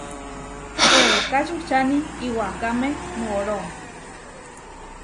Weeká čuhčáni iwakáme mooró.